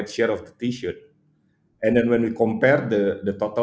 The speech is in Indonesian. apa adalah jumlah t shirt di pasar total